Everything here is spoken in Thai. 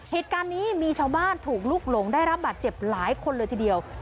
เหตุการณ์นี้มีชาวบ้านถูกลุกหลงได้รับบาดเจ็บหลายคนเลยทีเดียว